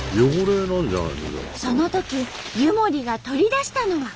そのとき湯守が取り出したのは。